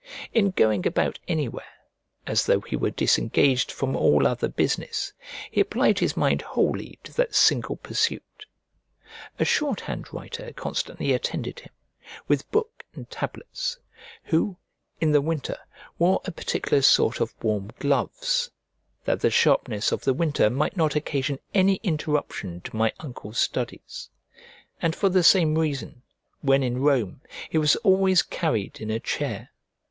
In going about anywhere, as though he were disengaged from all other business, he applied his mind wholly to that single pursuit. A shorthand writer constantly attended him, with book and tablets, who, in the winter, wore a particular sort of warm gloves, that the sharpness of the weather might not occasion any interruption to my uncle's studies: and for the same reason, when in Rome, he was always carried in a chair.